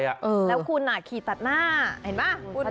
แล้วคุณขี่ตัดหน้าเห็นป่ะ